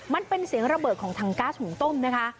มันเป็นเสียงระเบิดของถังก๊าซหุงต้มนะคะ